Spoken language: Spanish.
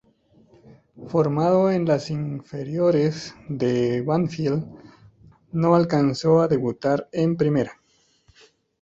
Formado en las inferiores de Banfield, no alcanzó a debutar en primera.